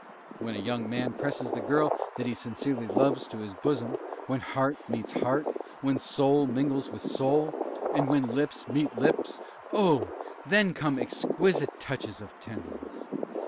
When a young man presses the girl that he sincerely loves to his bosom when heart meets heart when soul mingles with soul and when lips meet lips oh! then come exquisite touches of tenderness!